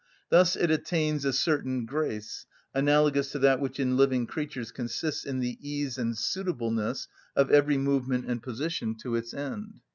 Thus it attains a certain grace, analogous to that which in living creatures consists in the ease and suitableness of every movement and position to its end.